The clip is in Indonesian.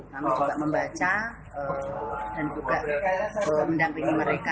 kami juga membaca dan juga mendampingi mereka